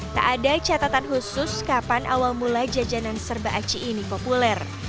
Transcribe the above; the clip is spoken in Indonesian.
tak ada catatan khusus kapan awal mula jajanan serba aci ini populer